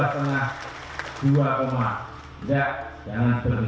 saya berikan dua dua atau dua lima